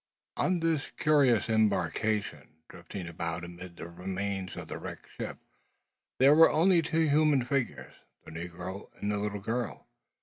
On this curious embarkation, drifting about amid the remains of the wrecked ship, there were only the two human figures, the negro and the little girl.